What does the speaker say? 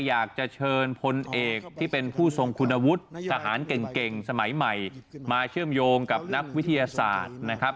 อยากจะเชิญพลเอกที่เป็นผู้ทรงคุณวุฒิทหารเก่งสมัยใหม่มาเชื่อมโยงกับนักวิทยาศาสตร์นะครับ